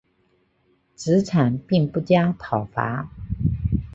子产并不加讨伐。